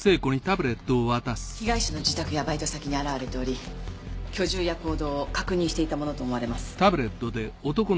被害者の自宅やバイト先に現れており居住や行動を確認していたものと思われます。